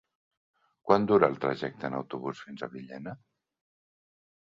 Quant dura el trajecte en autobús fins a Villena?